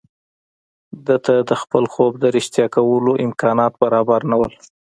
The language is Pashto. ده ته د خپل خوب د رښتيا کولو امکانات برابر نه وو.